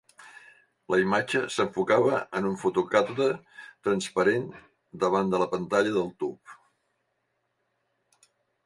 La imatge s'enfocava en un fotocàtode transparent davant de la pantalla del tub.